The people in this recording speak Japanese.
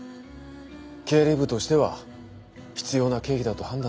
経理部としては必要な経費だと判断したことも。